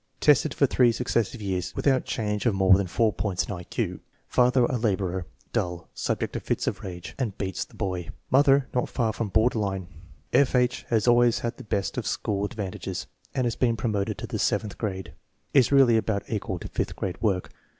Tested for three successive years without change of more than four points in I Q. Father a laborer, dull, subject to fits of rage, and beats the boy. Mother not far from border line. F. H. has always had the best of school advantages and has been promoted to the seventh grade. Is really about equal to fifth grade work.